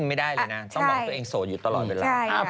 ไม่ได้เลยนะต้องบอกว่าตัวเองโสดอยู่ตลอดเวลา